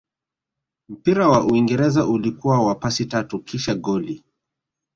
mpira wa uingereza ulikuwa wa pasi tatu kisha goli